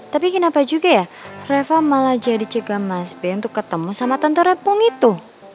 tapi kenapa juga ya reva malah jadi cegah mas b untuk ketemu sama tentara pong itu